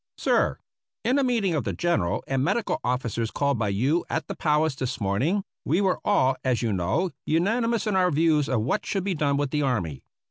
Sir : In a meeting of the general and medical officers called by you at the Palace this morning we were all, as you know, unanimous in our views of what should be done with the army.